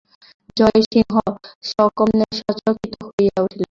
জয়সিংহ সচকিত হইয়া উঠিলেন।